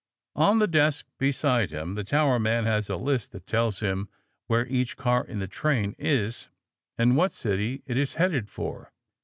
On the desk beside him, the towerman has a list that tells him where each car in the train is and what city it is headed for.